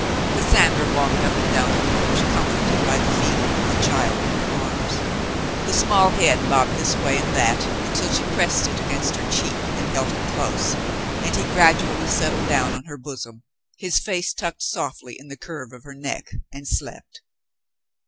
Cassandra walked up and down the porch, comforted by the feeling of the child in her arms. The small head bobbed this way and that until she pressed it against her cheek and held him close, and he gradually settled down on her bosom, his face tucked softly in the curve of her neck, and slept.